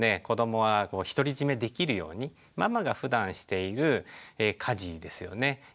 子どもは独り占めできるようにママがふだんしている家事ですよね。